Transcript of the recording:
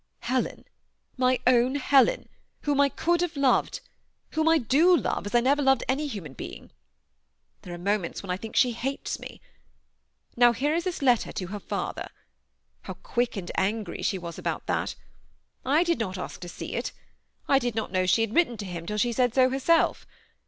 Helen, my own Helen, whom I oould have loved, whom I do love, as I never loved any human be ing. There are moments when I think she hates me^ Now here is this letter to her father. How quick and angry she was about thai ! I did not ask to sed it. I did not know she had written to him till she said so herself.